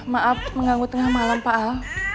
maaf mengganggu tengah malam pak al